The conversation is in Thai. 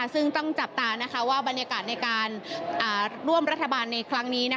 ซึ่งต้องจับตาว่าบรรยากาศในการร่วมรัฐบาลในครั้งนี้